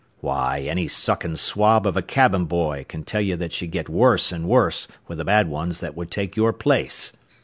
Why, any suckin' swab of a cabin boy kin tell that she'd get worse an' worse with the bad ones what would take your place.